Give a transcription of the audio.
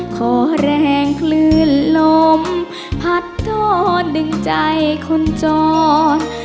ขอแรงคลื่นลมพัดท้อนดึงใจคนจร